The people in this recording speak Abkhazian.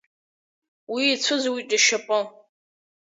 Уи ицәыӡуеит ишьапы.